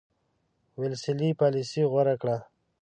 ویلسلي پالیسي غوره کړه.